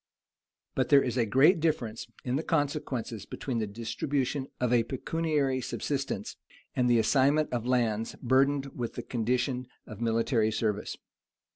But there is a great difference, in the consequences, between the distribution of a pecuniary subsistence, and the assignment of lands burdened with the condition of military service.